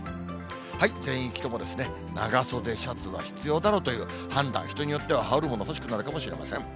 全域とも長袖シャツは必要などという判断、人によっては羽織るもの、欲しくなるかもしれません。